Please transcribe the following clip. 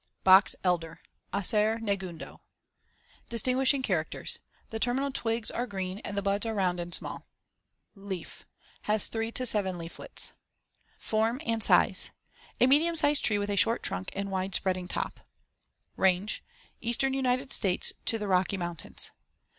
BOX ELDER (Acer negundo) Distinguishing characters: The terminal *twigs are green*, and the buds are round and small. Fig. 36. Leaf: Has three to seven leaflets. [Illustration: FIG. 35. Leaf of Norway Maple.] Form and size: A medium sized tree with a short trunk and wide spreading top. Range: Eastern United States to the Rocky Mountains.